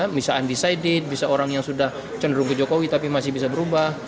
bisa undecided bisa orang yang sudah cenderung ke jokowi tapi masih bisa berubah